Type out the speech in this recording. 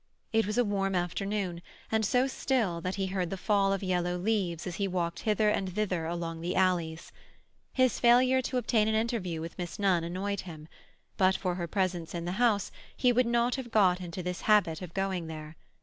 It was a warm afternoon, and so still that he heard the fall of yellow leaves as he walked hither and thither along the alleys. His failure to obtain an interview with Miss Nunn annoyed him; but for her presence in the house he would not have got into this habit of going there.